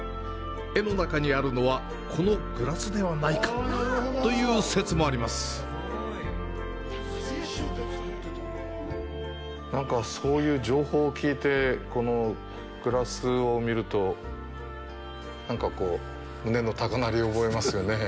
絵の中にあるのは、このグラスではないかという説もありますなんか、そういう情報を聞いてこのグラスを見ると、なんかこう、胸の高鳴りを覚えますよね。